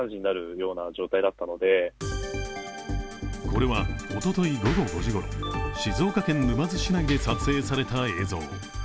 これはおととい午後５時ごろ静岡県沼津市内で撮影された映像。